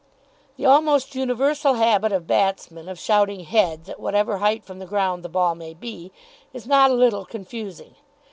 The almost universal habit of batsmen of shouting "Heads!" at whatever height from the ground the ball may be, is not a little confusing.